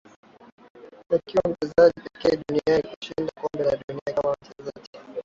akiwa mchezaji pekee duniani kushinda kombe la dunia kama mchezaji